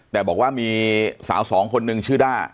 แต่บอกว่ามีสาวสองคนนึงชื่อด้า